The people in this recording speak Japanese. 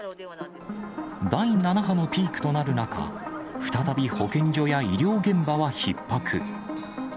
第７波のピークとなる中、再び保健所や医療現場はひっ迫。